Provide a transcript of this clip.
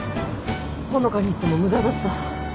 穂香に言っても無駄だった。